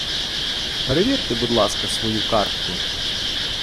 Перевірте, будь ласка, свою картку!